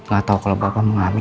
gak tahu kalau berapa mengalami